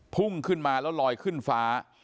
พุ่งขึ้นมาแล้วลอยขึ้นฟ้า